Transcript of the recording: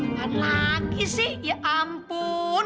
kan lagi sih ya ampun